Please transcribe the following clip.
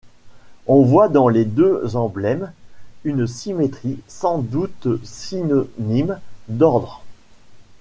On voit dans les deux emblèmes une symétrie sans doute synonyme d'ordre.